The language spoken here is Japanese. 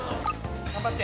・頑張って！